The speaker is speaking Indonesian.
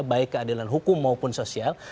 baik keadilan hukum maupun sosial